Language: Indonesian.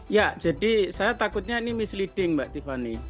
ya jadi saya takutnya ini misleading mbak tiffany